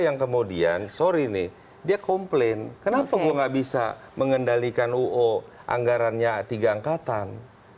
yang kemudian sorry nih dia komplain kenapa gue gak bisa mengendalikan uu anggarannya tiga angkatan